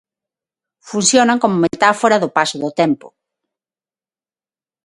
Funcionan como metáfora do paso do tempo.